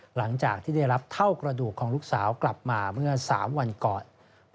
หลังจากที่ได้รับเท่ากระดูกของลูกสาวกลับมาเมื่อ๓วันก่อน